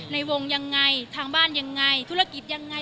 ในวงยังไงทางบ้านยังไงธุรกิจยังไง